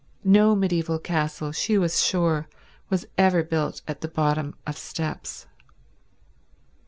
No mediaeval castle, she was sure, was ever built at the bottom of steps.